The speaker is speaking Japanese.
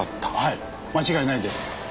間違いないです。